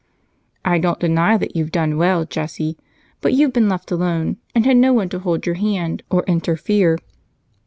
"I don't deny that you've done well, Jessie, but you've been let alone and had no one to hold your hand or interfere.